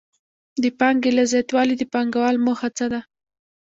د پانګې له زیاتوالي د پانګوال موخه څه ده